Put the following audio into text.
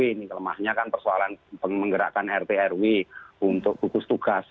ini kelemahnya kan persoalan menggerakkan rt rw untuk gugus tugas